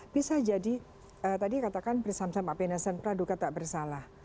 bisa jadi tadi katakan bersam sam pak pena sen praduka tak bersalah